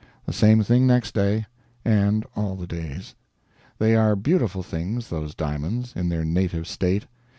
The same thing next day, and all the days. They are beautiful things, those diamonds, in their native state.